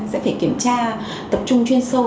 sẽ phải kiểm tra tập trung chuyên sâu